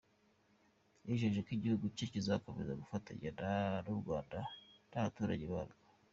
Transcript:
Yijeje ko igihugu cye kizakomeza gufatanya n’u Rwanda n’abaturage barwo.